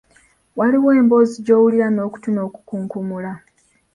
Waliwo emboozi gy’owulira n’okutu n’okunkumula.